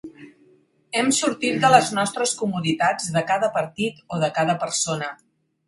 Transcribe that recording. Hem sortit de les nostres comoditats de cada partit o de cada persona.